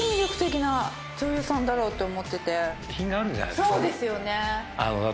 そうですよね。